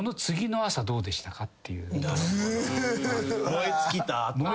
燃え尽きた後？